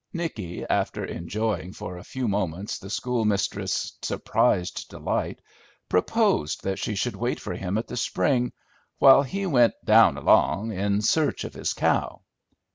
Nicky, after enjoying for a few moments the schoolmistress' surprised delight, proposed that she should wait for him at the spring, while he went "down along" in search of his cow.